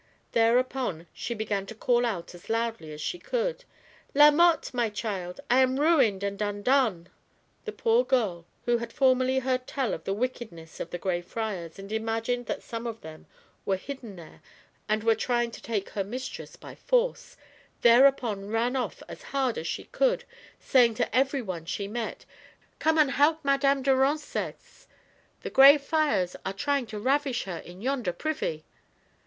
There upon she began to call out as loudly as she could "La Mothe, my child, I am ruined and un done !" The poor girl, who had formerly heard tell of the wickedness of the Grey Friars, and imagined that some of them were hidden there and were trying to take her mistress by force, thereupon ran off as hard as she could, saying to every one she met SECOND T>AY: TALE XL (A). 91 " Come and help Madame de Roncex ; the Grey Friars are trying to ravish her in yonder privy."